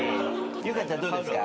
よかったらどうですか？